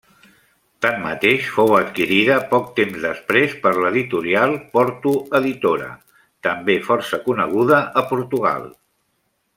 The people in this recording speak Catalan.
Tanmateix, fou adquirida poc temps després de l'editorial Porto Editora, també força coneguda a Portugal.